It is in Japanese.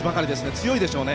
強いでしょうね。